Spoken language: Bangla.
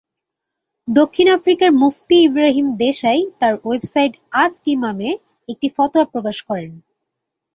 দক্ষিণ আফ্রিকার মুফতি ইব্রাহিম দেশাই তার ওয়েবসাইট "আস্কইমাম"-এ একটি ফতোয়া প্রকাশ করেন।